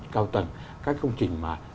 cao tầng các công trình mà